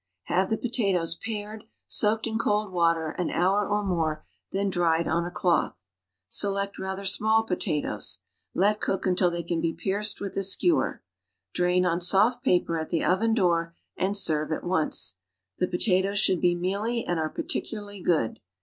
Have the potatoes pared, soaked in cold water an hour or more, then dried on a cloth. Select rather small potatoes. Let cook until they can be pierced with a skewer; drain on soft paper at the oven door, and serve at once. The pota toes should be mealy and are particularly good.